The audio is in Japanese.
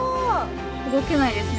動けないですね